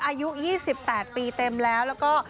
อายุ๒๘ปีเต็มแล้วแล้วก็